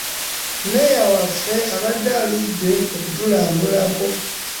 Mmeeya waffe abadde aludde okutulambulako.